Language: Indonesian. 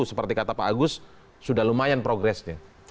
seperti kata pak agus sudah lumayan progresnya